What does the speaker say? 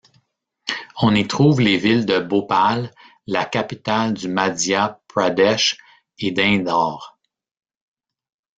On y trouve les villes de Bhopal, la capitale du Madhya Pradesh, et d'Indore.